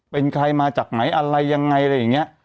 เป็นใครมาจากไหนอะไรยังไงอะไรอย่างนี้